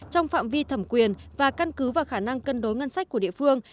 trong phạm vi thẩm quyền và căn cứ vào khả năng cân đối ngân sách của địa phương